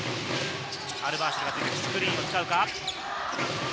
アルバーシルがついて、スクリーンに向かうか。